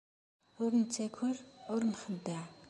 Ur nettaker, ur nxeddeɛ.